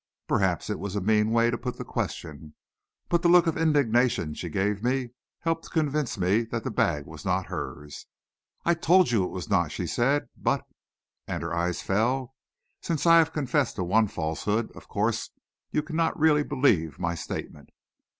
Perhaps it was a mean way to put the question, but the look of indignation she gave me helped to convince me that the bag was not hers. "I told you it was not," she said, "but," and her eyes fell, "since I have confessed to one falsehood, of course you cannot believe my statement."